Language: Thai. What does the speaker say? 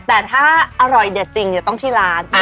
แต่ถ้าอร่อยเด็ดจริงจะต้องที่ร้าน